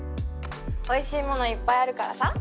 おいしいものいっぱいあるからさ。